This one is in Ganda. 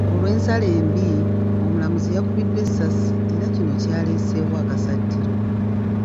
Olw'ensala embi, omulamuzi yakubiddwa essasi era kino kyaleeseewo akasattiro.